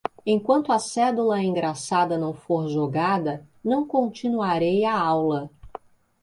Enquanto a cédula engraçada não for jogada, não continuarei a aula.